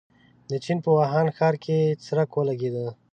د چين په ووهان ښار کې څرک ولګېد.